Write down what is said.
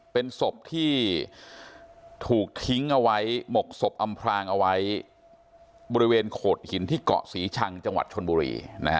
เป็นศพที่ถูกทิ้งเอาไว้หมกศพอำพรางเอาไว้บริเวณโขดหินที่เกาะศรีชังจังหวัดชนบุรี